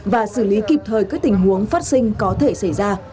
và xử lý kịp thời các tình huống phát sinh có thể xảy ra